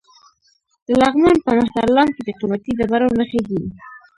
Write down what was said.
د لغمان په مهترلام کې د قیمتي ډبرو نښې دي.